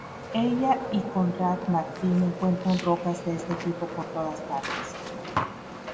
Ella y Konrad Martin encuentran rocas de este tipo por todas partes.